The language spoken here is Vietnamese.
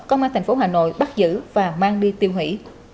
công an tp hà nội bắt giữ và mang đi tiêu hủy